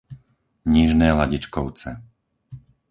Nižné Ladičkovce